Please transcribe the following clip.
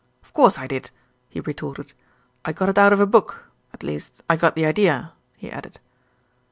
"Of course I did," he retorted. "I got it out of a book, at least I got the idea," he added.